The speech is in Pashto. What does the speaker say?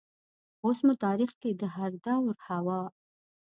اوس مو تاریخ کې د هردور حوا